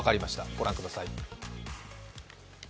ご覧ください。